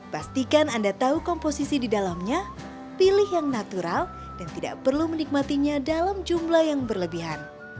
pastikan anda tahu komposisi di dalamnya pilih yang natural dan tidak perlu menikmatinya dalam jumlah yang berlebihan